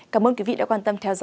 cảm ơn quý vị đã quan tâm theo dõi